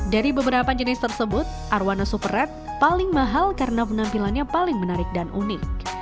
dari beberapa jenis tersebut arowana super red paling mahal karena penampilannya paling menarik dan unik